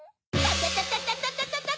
タタタタタタ！